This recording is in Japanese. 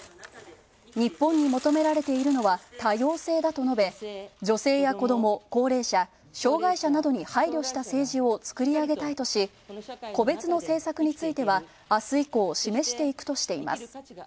日本に求められているのは多様性だと述べ女性や子ども、高齢者、障害者などに配慮した政治を作り上げたいとし、個別の政策については、あす以降示していくとしています。